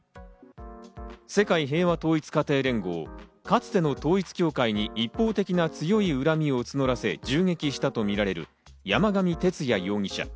世界平和統一家庭連合、かつての統一教会に一方的な強い恨みを募らせ銃撃したとみられる山上徹也容疑者。